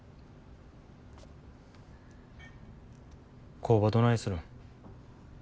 工場どないするん。